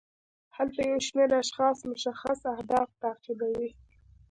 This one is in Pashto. هلته یو شمیر اشخاص مشخص اهداف تعقیبوي.